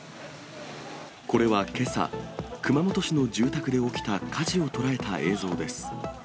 これはけさ、熊本市の住宅で起きた火事を捉えた映像です。